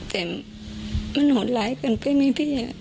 แต่มันโหนหลายกันพี่มีเวีย